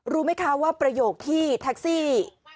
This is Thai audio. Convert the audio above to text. รู้ไหมคะว่าประโยคที่แท็กซี่